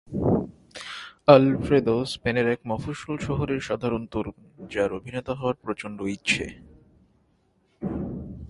Alfredo স্পেনের এক মফস্বল শহরের সাধারণ তরুণ যার অভিনেতা হওয়ার প্রচণ্ড ইচ্ছে।